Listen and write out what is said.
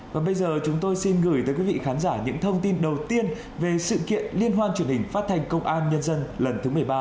và bây giờ chúng tôi xin gửi tới quý vị khán giả những thông tin đầu tiên về sự kiện liên hoan truyền hình phát thanh công an nhân dân lần thứ một mươi ba